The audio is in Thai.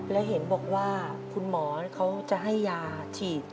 และเห็นบอกว่าคุณหมอเขาจะให้ยาฉีด